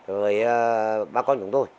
rồi bà con chúng tôi